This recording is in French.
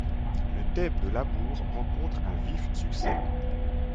Le thème de l'amour rencontre un vif succès.